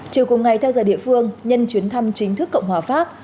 chiều cùng ngày theo giờ địa phương nhân chuyến thăm chính thức cộng hòa pháp